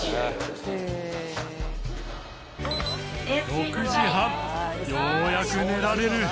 ６時半ようやく寝られる。